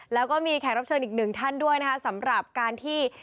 แล้วก็มีแขกรับเชิญอีกหนึ่งท่านด้วยนะคะสำหรับการที่